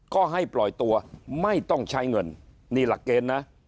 ก็ให้ปล่อยตัวไม่ต้องใช้เงินนี่หลักเกณฑ์นะ